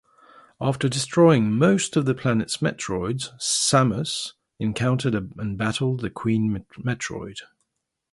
After destroying most of the planet's Metroids, Samus encounters and battles the Queen Metroid.